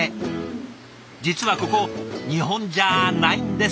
実はここ日本じゃないんです。